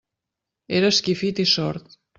Era esquifit i sord.